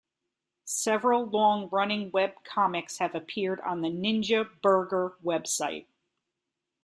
Several long running web comics have appeared on the Ninja Burger website.